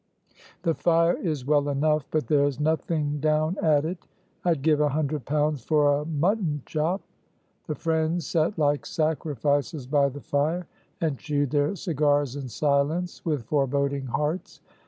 "The fire is well enough, but there's nothing down at it. I'd give a hundred pounds for a mutton chop." The friends sat like sacrifices by the fire, and chewed their cigars in silence, with foreboding hearts.